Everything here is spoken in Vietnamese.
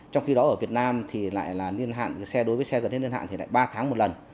trong khi đó ở việt nam thì lại là niên hạn xe đối với xe gần hết niên hạn thì lại ba tháng một lần